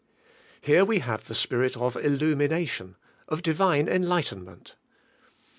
Here we have the Spirit of illumi?iatio7t^ of Divine enlightenment.